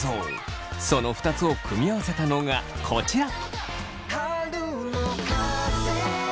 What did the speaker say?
その２つを組み合わせたのがこちら。